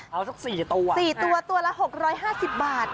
เอาสัก๔ตัว๔ตัวตัวละ๖๕๐บาท